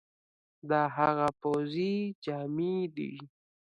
دا هغه پوځي جامي دي،